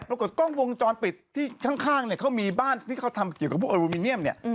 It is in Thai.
ปรากฏกล้องวงจรปิดที่ข้างเนี่ยเขามีบ้านที่เขาทำเกี่ยวกับพวกโอมิเนียมเนี่ย